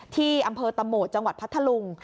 ที่อำเภอตะโหมดจังหวัดพัทธลุง